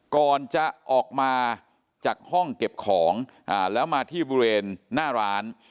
ก่อนจะออกมาจากห้องเก็บของแล้วมาที่บริเวณหน้าร้าน